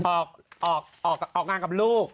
ออกงานกับลูก